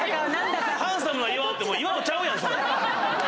ハンサムな岩尾ってもう岩尾ちゃうやんそれ。